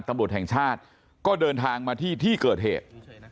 ตำรวจแห่งชาติก็เดินทางมาที่ที่เกิดเหตุ